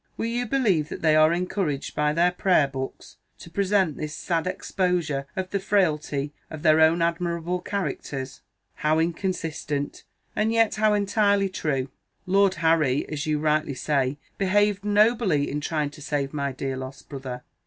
Will you believe that they are encouraged by their Prayer books to present this sad exposure of the frailty of their own admirable characters? How inconsistent and yet how entirely true! Lord Harry, as you rightly say, behaved nobly in trying to save my dear lost brother.